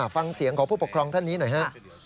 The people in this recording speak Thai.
ฟังเสียงของผู้ปกครองท่านนี้หน่อยฮะ